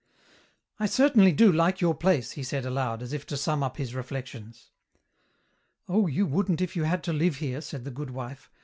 "I certainly do like your place," he said aloud, as if to sum up his reflections. "Oh, you wouldn't if you had to live here," said the good wife.